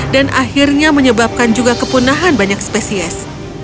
dan akhirnya menyebabkan juga kepunahan banyak spesies